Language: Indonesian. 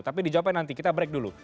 tapi dijawabkan nanti kita break dulu